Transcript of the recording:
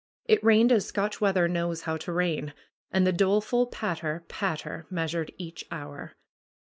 It rained as Scotch weather knows how to rain. And the doleful patter, patter measured each hour.